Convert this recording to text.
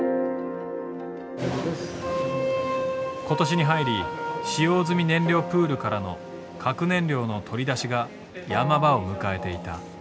今年に入り使用済み燃料プールからの核燃料の取り出しが山場を迎えていた。